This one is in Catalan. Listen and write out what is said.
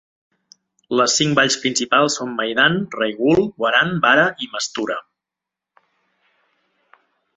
Les cinc valls principals són Maidan, Rajgul, Waran, Bara i Mastura.